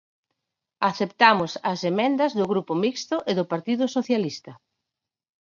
Aceptamos as emendas do Grupo Mixto e do Partido Socialista.